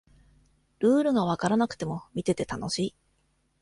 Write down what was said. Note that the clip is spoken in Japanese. ルールがわからなくても見てて楽しい